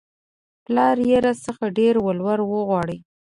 پلار يې راڅخه ډېر ولور غواړي